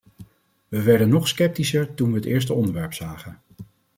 We werden nog sceptischer toen we het eerste ontwerp zagen.